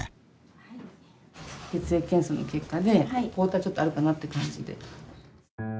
血液検査の結果で抗体ちょっとあるかなって感じで。